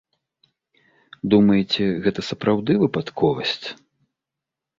Думаеце, гэта сапраўды выпадковасць?